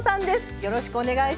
よろしくお願いします。